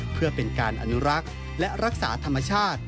เพื่อเป็นการอนุรักษ์และรักษาธรรมชาติ